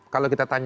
kalau kita tanya